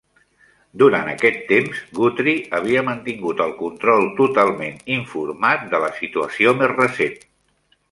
Durant aquest temps, Guthrie havia mantingut el control totalment informat de la situació més recent.